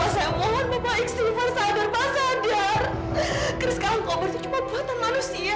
sesungguhnya aku maham ketahui